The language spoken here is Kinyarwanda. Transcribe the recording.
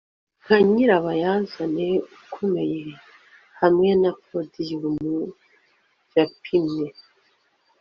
Nka nyirabayazana ukomeye hamwe na podiyumu yapimwe